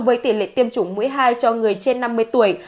với tỷ lệ tiêm chủng mũi hai cho người trên năm mươi tuổi